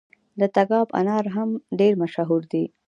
د تګاب انار هم ډیر مشهور دي.